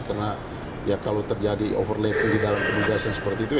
karena ya kalau terjadi overlapping di dalam kementerian seperti itu